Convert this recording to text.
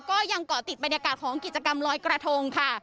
ก็ยังเกาะติดบรรยากาศของกิจกรรมลอยกระทงค่ะ